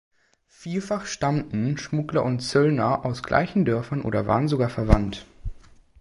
Vielfach stammten Schmuggler und Zöllner aus gleichen Dörfern oder waren sogar verwandt.